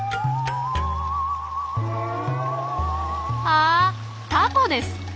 あタコです！